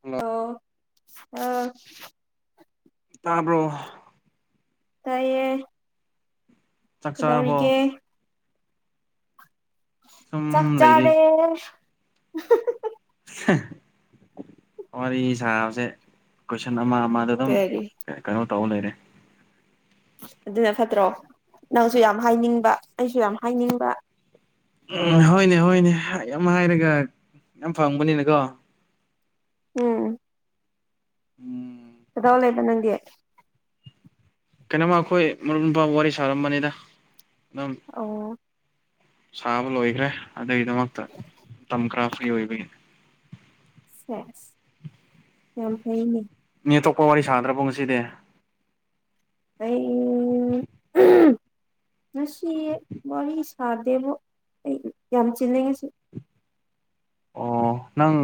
hello ꯑꯣ ꯑ ꯇꯥꯕꯣ ꯇꯌꯦ ꯆꯥꯛ ꯀꯗꯧꯔꯤꯒꯦ ꯆꯥꯔꯕꯣ ꯁꯨꯝ ꯂꯩꯔꯤ ꯛꯆꯥꯅꯦꯦ ꯋꯥꯔꯤ ꯁꯥꯕꯁꯦ ꯀꯣꯏꯁꯟ ꯑꯃ ꯑꯃꯗ ꯑꯗꯨꯝ ꯀꯔꯤ ꯀꯩꯅꯣ ꯇꯧ ꯂꯩꯔꯦ ꯑꯗꯨꯅ ꯐꯠꯇ꯭ꯔꯣ ꯅꯪꯁꯨ ꯌꯥꯝ ꯍꯥꯏꯅꯤꯡꯕ ꯑꯩꯁꯨ ꯌꯥꯝ ꯍꯥꯏꯅꯤꯡꯕ ꯎꯝ ꯍꯣꯏꯅꯦ ꯍꯣꯏꯅꯦ ꯌꯥꯝ ꯍꯥꯏꯔꯒ ꯌꯥꯝ ꯐꯪꯕꯅꯤꯅꯀꯣ ꯎꯝ ꯎꯝ ꯀꯗꯥꯕꯂꯩꯅ ꯅꯪꯒꯦ ꯀꯩꯅꯣꯃ ꯑꯩꯈꯣꯏ ꯃꯔꯨꯞ ꯅꯨꯄꯥ ꯋꯥꯔꯤ ꯁꯥꯔꯝꯕꯅꯤꯗ ꯑꯗꯨꯝ ꯑꯣ ꯁꯥꯕ ꯂꯣꯏꯈ꯭ꯔꯦ ꯑꯗꯨꯒꯤꯗꯃꯛꯇ ꯃꯇꯝ ꯈ꯭ꯔꯥ ꯐ꯭ꯔꯤ ꯑꯣꯏꯕꯒꯤꯅꯤ ꯁꯦ ꯌꯥꯝ ꯊꯅꯦ ꯑꯇꯣꯞꯄ ꯋꯥꯔꯤ ꯁꯥꯗ꯭ꯔꯕꯣ ꯉꯁꯤꯗꯤ ꯑꯩ [unintelligible] ꯉꯁꯤ ꯋꯥꯔꯤ ꯁꯥꯗꯦꯕ ꯑꯩ ꯌꯥꯝ ꯆꯤꯅꯤꯡꯉꯤꯁꯤ ꯑꯣ ꯅꯪ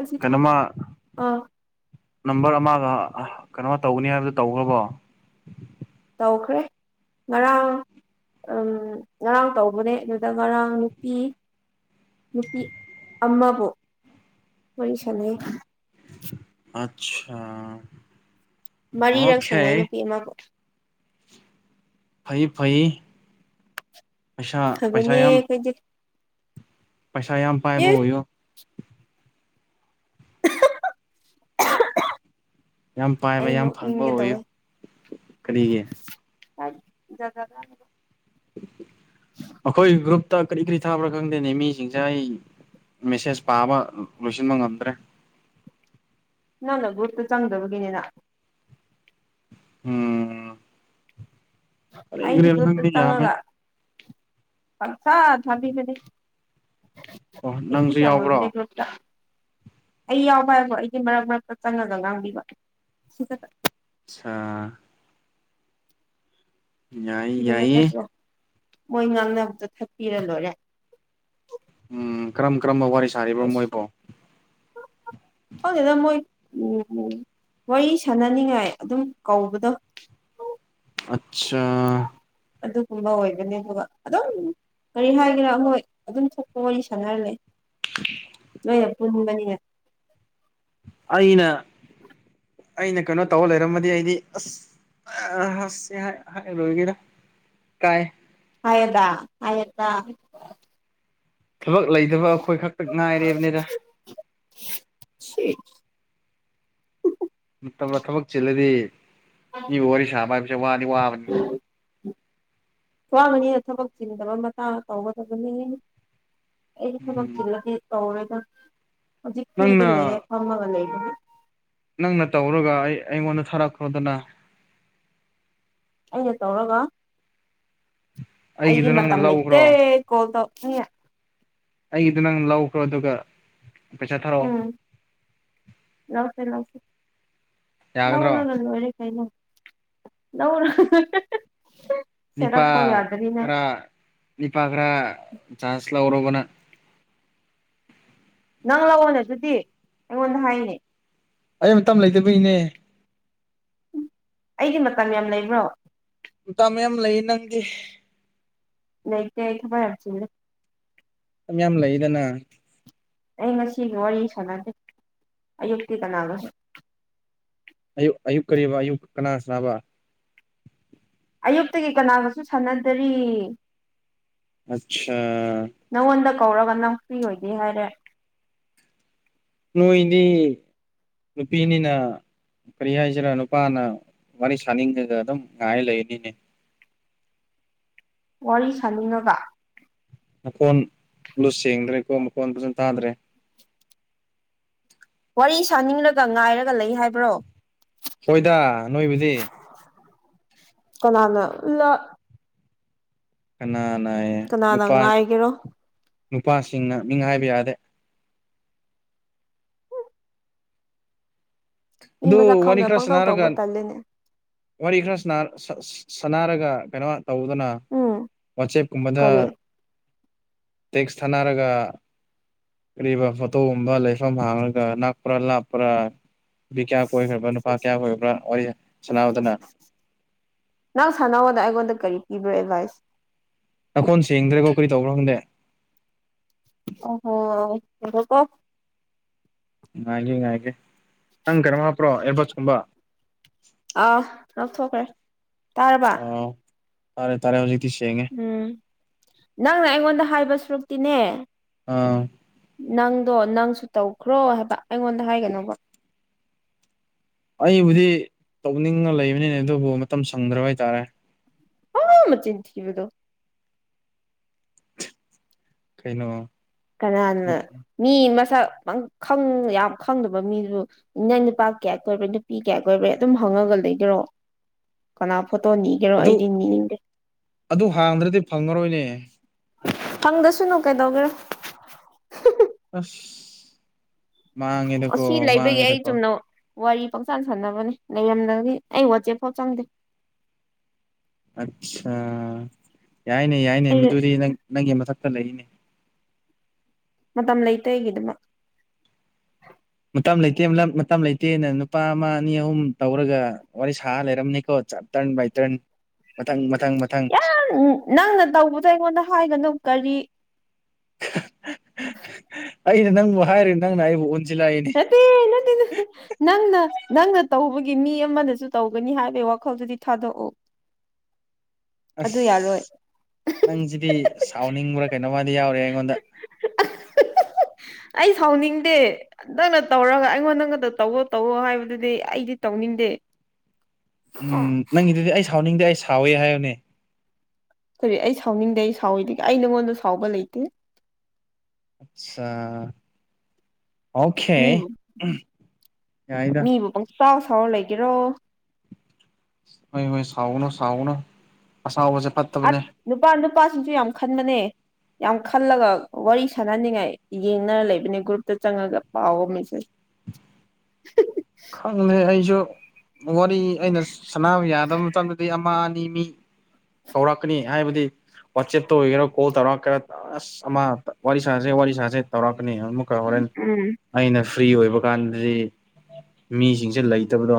ꯑꯁꯤ ꯊꯥ ꯀꯩꯅꯣꯃ ꯑꯥ ꯅꯝꯕꯔ ꯑꯃꯒ ꯀꯩꯅꯣ ꯇꯧꯒꯅꯤ ꯍꯥꯏꯕꯗꯨꯣ ꯇꯧꯈ꯭ꯔꯕꯣ ꯍꯧꯧꯈ꯭ꯔꯦ ꯉꯔꯥꯡ ꯎꯝ ꯉꯔꯥꯡ ꯇꯧꯕꯅꯦ ꯑꯗꯨꯗ ꯉꯔꯥꯡ ꯅꯨꯄꯤ ꯅꯨꯄꯤ ꯑꯃꯕꯨ ꯋꯥꯔꯤ ꯁꯥꯟꯅꯩ ꯑꯆꯥꯥ ꯃꯔꯤꯔꯛ ꯁꯅꯩ ꯅꯨꯄꯤ ꯑꯃꯕꯨ ꯐꯩ ꯐꯩ ꯄꯩꯁꯥ ꯄꯩꯁꯥ ꯐꯕꯅꯦ ꯌꯥꯝ ꯑꯩꯈꯣꯏꯗꯤ ꯄꯩꯁꯥ ꯌꯥꯝ ꯄꯥꯏꯕ ꯏꯁ ꯑꯣꯏꯌꯣ [unintelligible] ꯌꯥꯝ ꯄꯥꯏꯕ ꯑꯩ ꯌꯥꯝ ꯐꯪꯕ ꯅꯣꯛꯅꯤꯡꯒꯦ ꯑꯣꯏꯌꯨ ꯇꯧꯋꯦ ꯀꯔꯤꯒꯤ [unintelligible] ꯑꯩꯈꯣꯏ ꯒ꯭ꯔꯨꯞꯇ ꯀꯔꯤ ꯀꯔꯤ ꯊꯥꯕ꯭ꯔꯥ ꯈꯪꯗꯦꯅꯦ ꯃꯤꯁꯤꯡꯁꯦ ꯑꯩ ꯃꯦꯁꯦꯁ ꯄꯥꯕ ꯂꯣꯏꯁꯤꯟꯕ ꯉꯝꯗ꯭ꯔꯦ ꯅꯪꯅ ꯒ꯭ꯔꯨꯞꯇꯨ ꯆꯪꯗꯕꯒꯤꯅꯤꯅ ꯎꯝ ꯀꯔꯤ ꯑꯩꯒꯤ ꯀꯔꯤꯔ ꯒ꯭ꯔꯨꯞꯇ ꯈꯪꯗꯦ ꯌꯥꯝꯃꯦ ꯆꯪꯉꯒ ꯁꯥ ꯊꯝꯕꯅꯤ ꯑꯣ ꯑꯦꯀꯤ ꯅꯪꯁꯨ ꯀ ꯌꯥꯎꯕ꯭ꯔꯣ ꯑꯣꯏꯕꯅꯦꯒ꯭ꯔꯨꯞ ꯑꯩ ꯌꯥꯎꯕ ꯍꯥꯏꯕꯣ ꯑꯩꯗꯤ ꯃꯔꯛ ꯃꯔꯛꯇ ꯆꯪꯉꯒ ꯉꯥꯡꯕꯤꯕ ꯁꯤ ꯈ ꯑꯆꯥ ꯌꯥꯏ ꯑꯗꯨꯅ ꯌꯥꯏꯌꯦ ꯐꯠꯇ꯭ꯔꯣ ꯃꯣꯏ ꯉꯥꯡꯅꯕꯗ ꯊꯛꯄꯤꯔ ꯂꯣꯏꯔꯦ ꯎꯝ ꯀ꯭ꯔꯝ ꯀ꯭ꯔꯃ ꯋꯥꯔ ꯍꯅ ꯃꯣꯏ ꯎꯝ ꯋꯥꯔꯤ ꯁꯥꯟꯅꯅꯤꯡꯉꯥꯏ ꯑꯗꯨꯝ ꯀꯧꯕꯗꯣ ꯑꯆꯥ ꯑꯗꯨꯒꯨꯝꯕ ꯑꯣꯏꯕꯅꯤ ꯑꯗꯨꯒ ꯑꯗꯨꯝ ꯀꯔꯤ ꯍꯥꯏꯒꯦꯔꯥ ꯍꯣꯏ ꯑꯗꯨꯝ ꯊꯣꯛꯄ ꯋꯥꯔꯤ ꯁꯥꯟꯅꯔꯂꯦ ꯅꯣꯏ ꯄꯨꯕꯅꯤ ꯑꯩꯅ ꯑꯩꯅ ꯀꯩꯅꯣ ꯇꯧꯔ ꯂꯩꯔꯝꯃꯗꯤ ꯑꯩꯗꯤ ꯑꯁ ꯑꯁ ꯍꯥꯏꯔꯨꯔꯣꯏꯒꯦꯗ ꯀꯥꯏ ꯍꯥꯏꯌꯦꯗꯥ ꯍꯥꯏꯌꯦꯗꯥ ꯊꯕꯛ ꯂꯩꯇꯕ ꯑꯩꯈꯣꯏ ꯈꯛꯇ ꯉꯥꯏꯔꯦꯕꯅꯤꯗ ꯁꯤ ꯃꯇꯝꯅ ꯊꯕꯛ ꯆꯤꯜꯂꯗꯤ ꯃꯤꯕꯨ ꯋꯥꯔꯤ ꯁꯥꯕ ꯍꯥꯏꯕꯁꯦ ꯋꯥ ꯅꯤ ꯋꯥꯅꯤ ꯋꯥꯕꯅꯤꯅ ꯊꯕꯛ ꯆꯤꯟꯗꯕ ꯃꯇꯥꯡ ꯇꯧꯕ ꯇꯕꯅꯤ ꯑꯩ ꯊꯕꯛ ꯎꯝ ꯆꯤꯜꯂꯗꯤ ꯇꯧꯔꯦꯗ ꯍꯧꯖꯤꯛ ꯐ꯭ꯔꯤꯗ ꯂꯩꯌꯦꯦ ꯅꯪꯅ ꯐꯝꯃꯒ ꯂꯩꯔꯦ ꯅꯪꯅ ꯇꯧꯔꯒ ꯑꯩ ꯑꯩꯉꯣꯟꯗ ꯊꯥꯔꯛꯈ꯭ꯔꯣꯗꯅ ꯦ ꯇꯧꯔꯒ ꯑꯩꯗꯤ ꯑꯩꯒꯤꯗꯣ ꯃ ꯅꯪꯅ ꯃꯇꯝꯝ ꯂꯩꯇꯦ ꯂꯧꯈ꯭ꯔꯣ ꯀꯣꯜ ꯇꯧ ꯑꯩꯒꯤꯗ ꯅꯪ ꯂꯧꯈ꯭ꯔꯣ ꯑꯗꯨꯒ ꯄꯩꯁꯥ ꯊꯥꯔꯛꯑꯣ ꯎꯝ ꯂꯧꯀꯦ ꯂꯀꯦ ꯌꯥꯒꯗ꯭ꯔꯣ ꯂꯧꯔꯒ ꯂꯣꯏꯔꯦ ꯀꯩꯅꯩꯅ ꯂꯧꯔ ꯅꯤꯄꯥ ꯈꯔ ꯅꯤꯄꯥ ꯈꯔ ꯆꯥꯟꯁ ꯂꯧꯔꯕꯅ ꯅꯪ ꯂꯥꯛꯑꯣꯅꯦ ꯑꯗꯨꯗꯤ ꯑꯩꯉꯣꯟꯗ ꯍꯥꯏꯅꯦ ꯑꯩ ꯃꯇꯝ ꯂꯩꯇꯕ ꯏꯅꯦ ꯑꯩꯒꯤ ꯃꯇꯝ ꯌꯥꯝ ꯂꯩꯕ꯭ꯔꯣ ꯃꯌꯥꯝ ꯂꯩ ꯅꯪꯒꯤ ꯃꯇ ꯈꯕꯥꯏ ꯌꯥꯁꯤ ꯌꯥꯝ ꯂꯩꯗꯅ ꯑꯩ ꯉꯁꯤꯒꯤ ꯋꯥꯔꯤ ꯁꯥꯟꯅꯗꯦ ꯑꯌꯨꯛꯇꯤ ꯀꯅꯥꯅꯣꯁꯤ ꯑꯌꯨꯛ ꯑꯌꯨꯛ ꯀꯔꯤ ꯑꯌꯨꯛ ꯀꯅꯥ ꯁꯅꯥꯕ ꯑꯌꯨꯛꯇꯒꯤ ꯀꯅꯥꯒꯁꯨ ꯁꯥꯟꯅꯗꯔꯤ ꯑꯆꯥ ꯂꯝꯪ ꯐ꯭ꯔꯤ ꯑꯣꯏꯗꯦ ꯍꯥꯏꯔꯦ ꯅꯣꯏꯅꯤ ꯅꯨꯄꯤꯅꯤꯅ ꯀꯔꯤ ꯍꯥꯏꯁꯤꯔꯥ ꯅꯨꯄꯥꯅ ꯋꯥꯔꯤ ꯁꯥꯅꯤꯡꯉꯒ ꯑꯗꯨꯝ ꯉꯥꯏ ꯂꯩꯅꯤꯅꯦ ꯋꯥꯔꯤ ꯁꯥꯅꯤꯡꯉꯒ ꯃꯈꯣꯟ ꯂꯨ ꯁꯦꯡꯗ꯭ꯔꯦꯀꯣ ꯃꯈꯣꯟ ꯐꯖꯅ ꯇꯥꯗ꯭ꯔꯦ ꯋꯥꯔꯤ ꯁꯥꯅꯤꯡꯂꯒ ꯉꯥꯏꯔꯒ ꯂꯩ ꯍꯥꯏꯕ꯭ꯔꯣ ꯍꯣꯏꯗ ꯅꯣꯏꯕꯨꯗꯤ ꯀꯅꯥꯅ ꯀꯅꯥꯅ ꯀꯅꯥꯅ ꯅꯨꯄꯥ ꯉꯥꯏꯒꯦꯔꯣ ꯅꯨꯄꯥꯁꯤꯡꯅ ꯃꯤ ꯍꯥꯏꯕ ꯌꯥꯗꯦ ꯃꯤ ꯑꯗꯨ ꯃꯁꯛ ꯋꯥꯔꯤ ꯈꯪꯗ ꯈꯔ ꯄꯪꯇꯧ ꯇꯧꯕ ꯁꯅꯥꯔꯒꯥꯟ ꯇꯜꯂꯦꯅꯦ ꯋꯥꯔꯤ ꯈꯔ ꯁꯔ ꯁꯅꯥꯔꯒ ꯀꯩꯅꯣ ꯇꯧꯗꯨꯅ ꯎꯝ ꯋꯥꯆꯦꯞꯀꯨꯝꯕꯗ ꯀꯔꯤ ꯇꯦꯛꯁ ꯊꯥꯅꯔꯒ ꯀꯔꯤꯕ ꯐꯣꯇꯣꯒꯨꯝꯕ ꯂꯩꯐꯝ ꯍꯥꯡꯉꯒ ꯅꯛꯄ꯭ꯔꯥ ꯂꯥꯞꯄ꯭ꯔꯥ ꯅꯨꯄꯤ ꯀꯌꯥ ꯀꯣꯏꯈ꯭ꯔꯕ꯭ꯔꯥ ꯅꯨꯄꯥ ꯀꯌꯥ ꯑꯣꯏꯕ꯭ꯔꯥ ꯋꯥꯔꯤ ꯁꯥꯟꯅꯥꯗꯅ ꯏꯕ꯭ꯔ ꯑꯦꯗꯚꯥꯏꯁ ꯅꯈꯣꯟ ꯁꯦꯡꯗ꯭ꯔꯦꯀꯣ ꯀꯔꯤ ꯇꯧꯕ꯭ꯔꯣ ꯈꯪꯗꯦ ꯑ ꯍꯗꯀꯣ ꯉꯥꯏꯒꯦ ꯉꯥꯏꯒꯦ ꯅꯪ ꯀꯔꯣ ꯍꯥꯞꯄ꯭ꯔꯣ ꯑꯦꯕꯁꯀꯨꯝꯕ ꯑꯥ ꯉ ꯊꯣꯛꯈ꯭ꯔꯦ ꯑ ꯇꯔꯦ ꯇꯔꯦ ꯍꯧꯖꯤꯛ ꯎꯝ ꯅꯪꯅ ꯑꯩꯉꯣꯟꯗ ꯍꯥꯏꯕ ꯁꯨꯔꯨꯛꯇꯤꯅꯦ ꯑꯥ ꯅꯪꯗꯣ ꯅꯪꯁꯨ ꯇꯧꯈ꯭ꯔꯣ ꯍꯥꯏꯕ ꯑꯩꯉꯣꯟꯗ ꯍꯥꯏꯒꯅꯧꯕ ꯑꯩꯕꯨꯗꯤ ꯇꯧꯅꯤꯡꯉ ꯂꯩꯕꯅꯤꯅꯦ ꯑꯗꯨꯕꯨ ꯃꯇꯝ ꯁꯪꯗ꯭ꯔꯕ ꯍꯥꯏꯇꯥꯔꯦ ꯑ ꯃ ꯆꯤꯟ ꯊꯕꯗꯣ ꯀꯩꯅꯩꯅꯣ ꯀꯅꯥ ꯃꯤ ꯃꯁ ꯛ ꯌꯥꯝ ꯈꯪꯗꯕ ꯃꯤꯗꯨ ꯅꯪ ꯅꯨꯄꯥ ꯀꯌꯥ ꯀꯣꯏꯕ꯭ꯔꯦ ꯅꯨꯄꯤ ꯀꯌꯥ ꯀꯣꯏꯕ꯭ꯔꯦ ꯑꯗꯨꯝ ꯍꯧ ꯈꯪꯉꯒ ꯂꯩꯗꯔꯣ ꯀꯅꯥ ꯐꯣꯇꯣ ꯅꯤꯒꯦꯔꯣ ꯑꯗꯨ ꯑꯩꯗꯤ ꯅꯤꯅꯤꯡꯗꯦ ꯑꯗꯨ ꯍꯥꯡꯗ꯭ꯔꯗꯤ ꯐꯪꯉꯔꯣꯏꯅꯦ ꯐꯪꯗꯁꯅꯨ ꯀꯩꯗꯧꯒꯦꯔꯦ ꯑꯁ ꯃꯥꯉꯦꯗꯨꯀꯣ ꯑꯁꯤ ꯂꯩꯕꯒꯤ ꯑꯩ ꯃꯥꯉꯦꯗꯀꯣ ꯆꯨꯝꯅ ꯋꯥꯔꯤ ꯄꯪꯁꯥꯟ ꯁꯥꯟꯅꯕꯅꯤ ꯂꯩꯔꯝꯗꯗꯤ ꯑꯩ ꯋꯥꯆꯦꯞꯐꯥꯎ ꯆꯪꯗꯦ ꯑꯠꯆꯥꯥ ꯌꯥꯏꯅꯦ ꯌꯥꯏꯅꯦ ꯑꯩ ꯃꯗꯨꯗꯤ ꯅꯪ ꯅꯪꯒꯤ ꯃꯊꯛꯇ ꯂꯩꯏꯅꯦ ꯃꯇꯝ ꯂꯩꯇ ꯑꯩꯒꯤꯗꯃꯛ ꯃꯇꯝ ꯂꯩꯇꯦ ꯃꯇꯝ ꯂꯩꯇꯦꯅ ꯅꯨꯄꯥ ꯑꯃ ꯑꯅꯤ ꯑꯍꯨꯝ ꯇꯧꯔꯒ ꯋꯥꯔꯤ ꯁꯥꯔ ꯂꯩꯔꯝꯅꯤꯀꯣ ꯃꯩꯇ꯭ꯔꯟ ꯃꯊꯪ ꯃꯊꯪ ꯌꯥꯝ ꯅꯪꯅ ꯇꯧꯕꯗꯣ ꯑꯩꯉꯣꯟꯗ ꯍꯥꯏꯒꯅꯨ ꯀꯔꯤ [unintelligible] ꯑꯩꯅ ꯅꯪꯕꯨ ꯍꯥꯏꯔ ꯅꯪꯅ ꯑꯩꯕꯨ ꯑꯣꯟꯁꯤꯜꯂꯛꯏꯅꯤ ꯔꯄꯤ ꯅꯠꯇ ꯅꯪꯅ ꯅꯪꯅ ꯇꯧꯕꯒꯤ ꯃꯤ ꯑꯃꯗꯁꯨ ꯇꯧꯒꯅꯤ ꯍꯥꯏꯕꯒꯤ ꯋꯥꯈꯜꯗꯨꯗꯤ ꯊꯥꯗꯣꯛꯎ ꯑꯗꯨ ꯌꯥꯔꯣꯏ ꯑꯁ ꯅꯪꯁꯤꯗꯤ ꯁꯥꯎꯅꯤꯡꯕ꯭ꯔꯥ ꯀꯩꯅꯣꯃꯗꯤ ꯌꯥꯎꯔꯦ ꯉꯗ ꯑꯩ ꯁꯥꯎꯅꯤꯡꯗꯦ ꯅꯪꯅ ꯇꯧꯔꯒ ꯑꯩꯉꯣꯟꯗ ꯅꯪꯒꯗ ꯇꯧꯋꯣ ꯇꯧꯋꯣ ꯍꯥꯏꯕꯗꯨꯗꯤ ꯑꯩꯗꯤ ꯇꯧꯅꯤꯡ ꯃꯤꯗꯦ ꯎꯝ ꯅꯪꯒꯤꯗꯨꯗꯤ ꯑꯩ ꯁꯥꯎꯅꯤꯡꯗꯦ ꯑꯩ ꯁꯥꯎꯋꯦ ꯍꯥꯏꯌꯅꯦ ꯀꯔꯤ ꯑꯩ ꯁꯥꯎꯅꯤꯡꯗꯦ ꯑꯩ ꯁꯥꯎꯋꯤꯗꯒꯤ ꯑꯩ ꯅꯪꯉꯣꯟꯗ ꯁꯥꯎꯕ ꯂꯩꯇꯦ ꯑꯠꯆꯥ ꯑꯣꯈꯦ ꯃꯤꯕꯨ ꯌꯥꯏꯗ ꯄꯥꯎ ꯁꯥꯎꯔ ꯂꯩꯒꯦꯔꯣ ꯍꯣꯏ ꯍꯣꯏ ꯁꯥꯎꯒꯅꯣ ꯁꯥꯎꯅꯨ ꯑꯁꯥꯎꯕꯁꯦ ꯐꯠꯇꯕꯅꯦ ꯂꯄꯥꯁꯤꯡꯁꯨ ꯌꯥꯝ ꯈꯟꯕꯅꯦ ꯌꯥꯝ ꯈꯜꯂꯒ ꯋꯥꯔꯤ ꯁꯥꯟꯅꯅꯤꯡꯉꯥꯏ ꯌꯦꯡꯅꯔ ꯂꯩꯕꯅꯦ ꯒ꯭ꯔꯨꯞꯇ ꯆꯪꯉꯒ ꯄꯥꯎꯕ ꯃꯦꯁꯦꯁ [unintelligible] ꯈꯪꯗꯦ ꯑꯩꯁꯨ ꯋꯥꯔꯤ ꯑꯩꯅ ꯁꯅꯥꯕ ꯌꯥꯗꯕ ꯃꯇꯝꯗꯗꯤ ꯑꯃ ꯑꯅꯤ ꯃꯤ ꯀꯧꯔꯛꯀꯅꯤ ꯍꯥꯏꯕꯗꯤ ꯋꯥꯆꯦꯞꯇ ꯑꯣꯏꯒꯦꯔꯥ ꯀꯣꯜ ꯇꯧꯔꯛꯦꯔ ꯑꯁ ꯑꯃ ꯋꯥꯔꯤ ꯁꯥꯁꯦ ꯋꯥꯔꯤ ꯁꯥꯁꯦ ꯇꯧꯔ ꯀꯥꯔ ꯎꯝ ꯑꯩꯅ ꯐ꯭ꯔꯤ ꯑꯣꯏꯕ ꯀꯥꯟꯗꯗꯤ ꯃꯤꯁꯤꯡꯁꯦ ꯂꯩꯇꯕꯗꯣ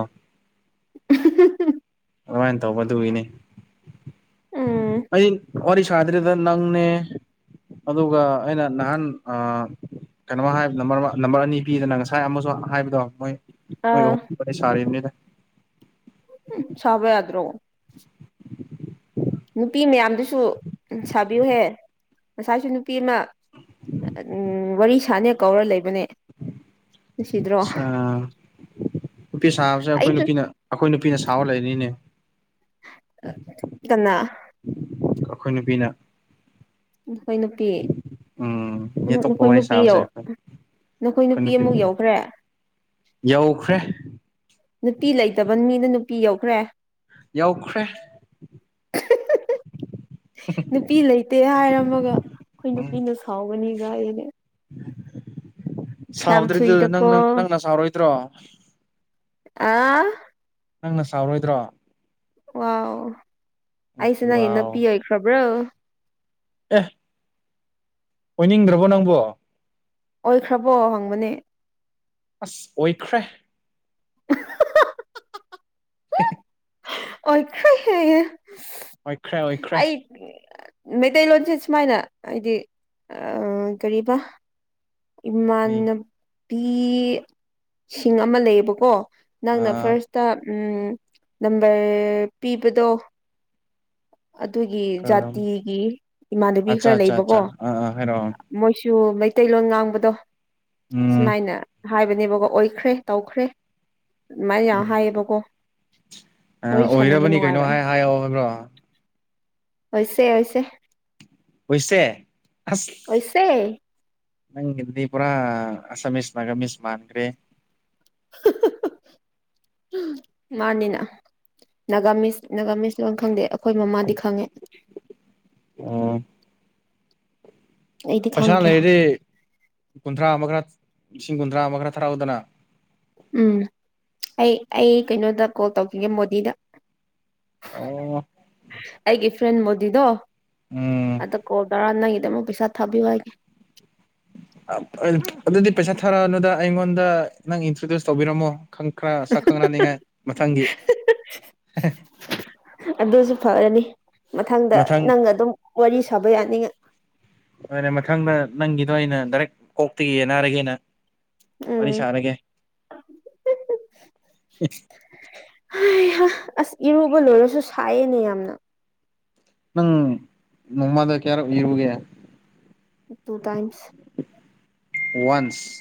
[unintelligible] ꯑꯗꯨꯃꯥꯏꯅ ꯇꯧꯕ ꯑꯗꯨꯒꯤꯅꯤ ꯎꯝ ꯑꯩ ꯋꯥꯔꯤ ꯁꯥꯗ꯭ꯔꯤꯗ ꯅꯪꯅꯦ ꯑꯗꯨꯒ ꯑꯩꯅ ꯅꯍꯥꯟ ꯑꯥ ꯀꯩꯅꯣ ꯍꯥꯏꯝꯕ ꯅꯝꯕꯔ ꯑꯅꯤ ꯄꯤꯗꯅ ꯉꯁꯥꯏ ꯑꯃꯁꯨ ꯍꯥꯏꯕꯗꯣ ꯃꯣꯏ ꯑꯥ [unintelligible] ꯋꯥꯔꯤ [unintelligible] ꯍꯝ ꯁꯥꯕ ꯌꯥꯗ꯭ꯔꯣ ꯅꯨꯄꯤ ꯃꯌꯥꯝꯗꯨꯁꯨ ꯁꯥꯕꯤꯌꯨꯍꯦ ꯉꯁꯥꯏꯁꯨ ꯅꯨꯄꯤ ꯑꯃ ꯎꯝ ꯋꯥꯔꯤ ꯁꯥꯅ ꯀꯧꯔ ꯂꯩꯕꯅꯦ ꯅꯨꯡꯁꯤꯗ꯭ꯔꯣ ꯑ ꯅꯨꯄꯤ ꯁꯥꯕꯁꯦ ꯑꯩꯈꯣꯏ ꯑꯩꯁꯨ ꯅꯨꯄꯤꯅ ꯑꯩꯈꯣꯏ ꯅꯨ ꯅꯨꯄꯤꯅ ꯁꯥꯎ ꯂꯩꯅꯤꯅꯦ ꯀꯅꯥ ꯑꯩꯈꯣꯏ ꯅꯨꯄꯤꯅ ꯅꯈꯣꯏ ꯅꯨꯄꯤ ꯎꯝ ꯃꯤ ꯑꯇꯣꯞꯄ ꯅꯈꯣꯏ ꯋꯥꯔꯤ ꯅꯨꯄꯤ ꯌꯣ ꯁꯥꯕꯁꯦ ꯑꯩꯈꯣꯏ ꯅꯈꯣꯏ ꯑꯩꯈꯣꯏ ꯅꯨꯄꯤ ꯑꯃꯨꯛ ꯅꯨꯄꯤꯅ ꯌꯧꯈ꯭ꯔꯦ ꯌꯧꯈ꯭ꯔꯦ ꯅꯨꯄꯤ ꯂꯩꯇꯕ ꯃꯤꯅ ꯅꯨꯄꯤ ꯌꯧꯈ꯭ꯔꯦ ꯌꯥꯎꯈ꯭ꯔꯦ ꯅꯨꯄꯤ ꯂꯩꯇꯦ ꯍꯥꯏꯔꯝꯃꯒ ꯑꯩꯈꯣꯏ ꯎꯝ ꯅꯨꯄꯤꯅ ꯁꯥꯎꯒꯅꯤ ꯒꯥꯥꯏꯌꯦꯅꯦ ꯁꯥꯎꯗ꯭ꯔꯤꯗꯨ ꯅꯪ ꯊꯨꯏꯗꯀꯣ ꯅꯪꯅ ꯁꯥꯎꯔꯣꯏꯗ꯭ꯔꯣ ꯑ ꯅꯪꯅ ꯁꯥꯎꯔꯣꯏꯗ꯭ꯔꯣ ꯋꯥꯎ ꯑꯩꯁꯦ ꯅꯪꯒꯤ ꯅꯨꯄꯤ ꯋꯥꯎ ꯑꯣꯏꯈ꯭ꯔꯕ꯭ꯔꯣ ꯑꯦ ꯑꯣꯏꯅꯤꯡꯗ꯭ꯔꯕꯣ ꯅꯪꯕꯣ ꯑꯣꯏꯈ꯭ꯔꯕꯣ ꯍꯪꯕꯅꯦ ꯑꯁ ꯑꯣꯏꯈ꯭ꯔꯦ [unintelligible] [unintelligible] ꯑꯣꯏꯈ꯭ꯔꯦ ꯍꯥꯏꯌꯦ ꯑꯣꯏꯈ꯭ꯔꯦ ꯑꯣꯏꯈ꯭ꯔꯦ ꯃꯩꯇꯩꯂꯣꯟꯁꯦ ꯁꯨꯃꯥꯏꯅ ꯍꯥꯏꯗꯤ ꯑꯥ ꯀꯔꯤꯕ ꯀꯔꯤ ꯏꯃꯥꯟꯅꯕꯤꯁꯤꯡ ꯑꯃ ꯂꯩꯌꯦꯕꯀꯣ ꯅꯪꯅ ꯑꯥ ꯐꯥꯔꯁꯇ ꯎꯝ ꯅꯝꯕꯔ ꯄꯤꯕꯗꯣ ꯑꯗꯨꯒꯤ ꯀꯔꯝ ꯖꯥꯇꯤꯒꯤ ꯏꯃꯥꯟꯅꯕꯤ ꯈꯔ ꯂꯩꯕꯀꯣ ꯔꯣ ꯃꯣꯏꯁꯨ ꯃꯩꯇꯩꯂꯣꯟ ꯉꯥꯡꯕꯗꯣ ꯎꯝ ꯁꯨꯃꯥꯏꯅ ꯍꯥꯏꯕꯅꯦꯕꯀꯣ ꯑꯣꯏꯈ꯭ꯔꯦ ꯇꯧꯈ꯭ꯔꯦ ꯑꯗꯨꯃꯥꯏꯅ ꯌꯥꯝ ꯎꯝ ꯍꯥꯏꯌꯦꯕꯀꯣ ꯋꯥꯔꯤ ꯁꯥꯟꯅꯕ ꯑꯣꯏꯔꯕꯅꯤ ꯀꯩꯅꯣ ꯍꯥꯏ ꯍꯥꯏꯌꯑꯣ ꯍꯥꯏꯕ꯭ꯔꯣ ꯍꯣꯏꯁꯦ ꯍꯣꯏ ꯁꯦ ꯑꯣꯏꯁꯦ ꯑꯁ ꯑꯣꯏꯁꯦ ꯅꯪ ꯒꯤꯗꯨꯗꯤ ꯄꯨꯔꯥ ꯑꯁꯥꯃꯤꯁ ꯅꯒꯥꯃꯤꯁ ꯃꯥꯟꯈ꯭ꯔꯦ [inaudible] ꯃꯥꯟꯅꯤꯅ ꯅꯥꯒꯥꯃꯤꯁ ꯅꯥꯒꯥꯃꯤꯁ ꯂꯣꯟ ꯈꯪꯗꯦ ꯈꯣꯏ ꯃꯃꯥꯗꯤ ꯈꯪꯉꯦ ꯑꯥ ꯑꯩꯗꯤ ꯄꯩꯁꯥ ꯈꯪꯗ꯭ꯔꯦ ꯂꯩꯔꯗꯤ ꯀꯨꯟꯊ꯭ꯔꯥ ꯑꯃ ꯈꯔ ꯂꯤꯁꯤꯡ ꯀꯨꯟꯊ꯭ꯔꯥ ꯑꯃ ꯈꯔ ꯊꯥꯔꯛꯎꯗꯅ ꯎꯝ ꯑꯩ ꯑꯩ ꯀꯩꯅꯣꯗ ꯀꯣꯜ ꯇꯧꯈꯤꯒꯦ ꯃꯣꯗꯤꯗ ꯑꯣ ꯑꯩꯒꯤ ꯐ꯭ꯔꯦꯟ ꯃꯣꯗꯤꯗꯣ ꯎꯝ ꯑꯗ ꯀꯣꯜ ꯅꯪꯗ ꯑꯃꯨꯛ ꯄꯩꯁꯥ ꯊꯥꯕꯤꯌꯨ ꯍꯥꯏꯒꯦ ꯑꯗꯨꯗꯤ ꯄꯩꯁꯥ ꯊꯥꯔꯛꯑꯅꯗ ꯑꯩꯉꯣꯟꯗ ꯅꯪ ꯏꯟꯇ꯭ꯔꯣꯗ꯭ꯌꯨꯁ ꯇꯧꯕꯤꯔꯝꯃꯣ ꯈꯪ ꯈ ꯁꯛꯈꯪꯅꯅꯤꯡꯉꯥꯏ ꯃꯊꯪꯒꯤ ꯑꯗꯨꯁꯨ ꯐꯔꯅꯤ ꯃꯊꯪꯗ ꯃꯊꯪ ꯅꯪꯒ ꯑꯗꯨꯝ ꯋꯥꯔꯤ ꯁꯥꯕ ꯌꯥꯅꯤꯡꯉꯦ ꯍ ꯃꯊꯪꯗ ꯅꯪꯒꯤ ꯅ ꯑꯩꯅ ꯗꯥꯏꯔꯦꯛ ꯀꯣꯛꯇꯒꯤ ꯌꯦꯟꯅꯔꯒꯦꯅ ꯋꯥꯔꯤ ꯎꯝ ꯁꯥꯔꯒꯦ ꯑꯁ ꯏꯔꯨꯕ ꯂꯣꯏꯔꯁꯨ ꯁꯥꯏꯌꯦꯅꯦ ꯌꯥꯝꯅ ꯅꯪ ꯃꯃꯗ ꯀꯦꯔꯣ ꯏꯔꯒꯦ ꯇꯨ ꯇꯥꯏꯝꯁ ꯋꯥꯟꯁ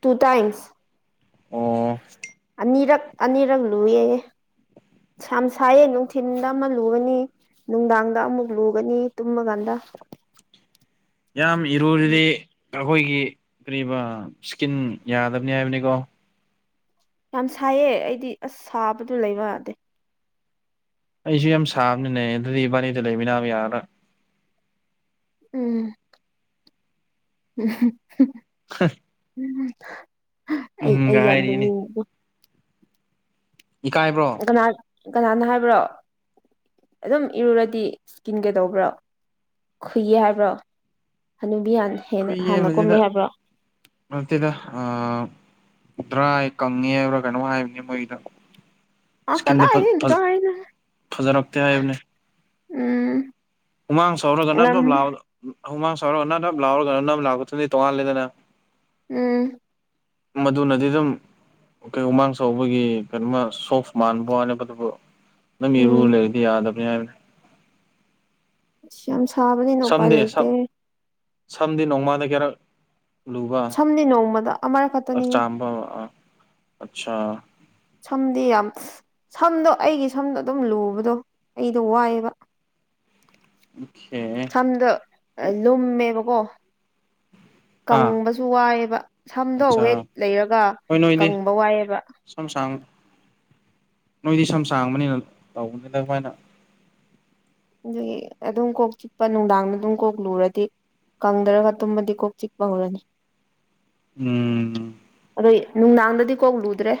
ꯇꯨ ꯇꯥꯏꯝꯁ ꯑꯣ ꯑꯅꯤꯔꯛ ꯑꯅꯤꯔꯛ ꯂꯨꯌꯦꯦ ꯁ ꯁꯥꯏꯌꯦ ꯅꯨꯡꯊꯤꯜꯗ ꯑꯃ ꯂꯨꯒꯅꯤ ꯅꯨꯡꯗꯥꯡꯗ ꯑꯃꯨꯛ ꯂꯨꯒꯅꯤ ꯇꯨꯝꯃꯀꯥꯟꯗ ꯌꯥꯝ ꯏꯔꯔꯗꯤ ꯑꯩꯈꯣꯏꯒꯤ ꯀꯔꯤꯕ ꯏꯁꯀꯤꯟ ꯌꯥꯗꯕꯅꯤ ꯍꯥꯏꯕꯅꯤꯀꯣ ꯌꯥꯝ ꯁꯥꯏꯌꯦ ꯑꯩꯗꯤ ꯑꯁ ꯁꯥꯕꯗꯨ ꯂꯩꯕ ꯌꯥꯗꯦ ꯑꯩꯁꯨ ꯌꯥꯝ ꯁꯥꯕꯅꯤꯅꯦ ꯑꯗꯨꯗꯤ ꯋꯥꯔꯤꯕꯥꯗ ꯂꯩꯃꯤꯅꯥ ꯌꯥꯕ꯭ꯔꯥ ꯎꯝ ꯎꯝ ꯍ ꯎ ꯑꯩ ꯑꯩ ꯌꯥꯝ ꯍꯥꯏꯔꯤꯅꯦ ꯅꯅꯤꯡꯕ ꯏꯀꯥꯏꯕ꯭ꯔꯣ ꯀꯅꯥꯅꯣ ꯍꯥꯏꯕ꯭ꯔꯣ ꯑꯗꯨꯝ ꯏꯔꯨꯔꯗꯤ ꯏꯁꯀꯤꯟ ꯀ ꯇꯧꯕ꯭ꯔꯣ ꯈꯨꯨꯏꯌꯦ ꯍꯥꯏꯕ꯭ꯔꯣ ꯍꯥꯟ ꯈꯨ ꯍꯦꯟꯅ ꯍꯥꯟꯅ ꯌꯦꯕꯁꯤꯗ ꯀꯨꯝꯃꯦ ꯍꯥꯏꯕ꯭ꯔꯣ ꯃꯁꯤꯗ ꯑ ꯗ꯭ꯔꯥ ꯀꯪꯉꯦ ꯍꯥꯏꯕ꯭ꯔꯥ ꯀꯩꯅꯣ ꯍꯥꯏꯕꯅꯦ ꯃꯣꯏꯗ ꯑ ꯀꯗ ꯑꯏꯗꯤ ꯏꯇꯔꯣ ꯑꯅ ꯐꯖꯔꯛꯇꯦ ꯍꯥꯏꯕꯅꯦ ꯎꯝ ꯍꯨꯃꯥꯡ ꯁꯧꯔꯒ ꯅꯠꯂꯞ ꯉꯝꯗꯦ ꯂꯥꯎꯑꯣ ꯍ ꯃꯥ ꯁꯔ ꯂꯥꯎꯔꯝ ꯂ ꯇꯣꯉ ꯂꯩꯗꯅ ꯎꯝ ꯃꯗꯨ ꯅꯗꯤꯗꯝ ꯀꯩ ꯎꯃꯥꯡ ꯆꯥꯎꯧꯕꯒꯤ ꯀꯩꯅꯣꯃ ꯁꯣꯐ ꯃꯥꯟꯕ ꯋꯥꯅꯦꯕꯗꯨꯕꯨ ꯅꯪ ꯏꯔꯨ ꯎꯝ ꯂꯩꯕꯗꯤ ꯌꯥꯗꯕꯅꯤ ꯍꯥꯏꯕꯅꯦ ꯑꯁ ꯌꯥꯝ ꯁꯥꯕꯅꯤꯅ ꯎꯄꯥꯏ ꯂꯩꯇꯦ ꯁꯝꯗꯤ ꯅꯣꯡꯃꯗ ꯀꯦꯔ ꯂꯨꯍ ꯁꯝꯗꯤ ꯅꯣꯡꯃꯗ ꯑꯃꯔꯛ ꯈꯛꯇꯅꯤꯍꯦ ꯆꯥꯡꯕꯥ ꯑꯆꯥ ꯁꯝꯗꯤ ꯌꯥꯝ ꯁꯝꯗꯣ ꯑꯩꯒꯤ ꯁꯝꯗꯣ ꯑꯗꯨꯝ ꯂꯨꯕꯗꯣ ꯑꯩꯗꯣ ꯋꯥꯏꯑꯕ ꯑꯣꯀꯦ ꯁꯝꯗꯣ ꯂꯨꯝꯃꯦꯕꯀꯣ ꯍꯥ ꯀꯪꯕꯁꯨ ꯋꯥꯏꯑꯕ ꯁꯝꯗꯣ ꯑꯠꯆꯥ ꯋꯦꯠ ꯂꯩꯔꯒ ꯍꯣꯏ ꯅꯣꯏꯗꯤ ꯀꯪꯕ ꯋꯥꯏꯑꯦꯕ ꯁꯝ ꯁꯥꯡ ꯅꯣꯏꯗꯤ ꯁꯝ ꯁꯥꯡꯕꯅꯤꯅ ꯇꯧꯕꯅꯤꯅ ꯑꯗꯨꯃꯥꯏꯅ ꯑꯗꯨꯒꯤ ꯑꯗꯨꯝ ꯀꯣꯛ ꯆꯤꯛꯄ ꯅꯨꯡꯗꯥꯡꯗ ꯑꯗꯨꯝ ꯀꯣꯛ ꯂꯨꯔꯗꯤ ꯀꯪꯗꯔꯒ ꯇꯨꯝꯃꯗꯤ ꯀꯣꯛ ꯆꯤꯛꯄ ꯍꯧꯔꯅꯤ ꯎꯝ ꯅꯣꯏ ꯅꯨꯡꯗꯥꯡꯗꯗꯤ ꯀꯣꯛ ꯂꯨꯗ꯭ꯔꯦ